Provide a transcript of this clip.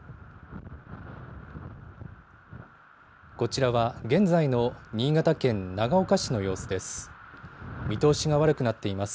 こちらは、現在の新潟県長岡市の様子です。